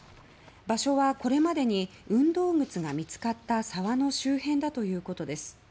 場所は、これまでに運動靴が見つかった沢の周辺だということです。